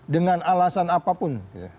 dengan alasan apapun